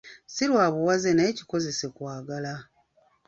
Si lwa buwaze naye kikozese kwagala.